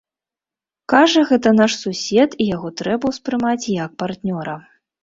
Кажа, гэта наш сусед і яго трэба ўспрымаць як партнёра.